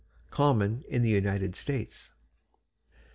_ Common in the United States.